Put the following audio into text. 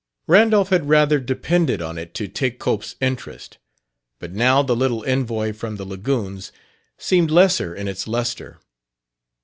Randolph had rather depended on it to take Cope's interest; but now the little envoi from the Lagoons seemed lesser in its lustre.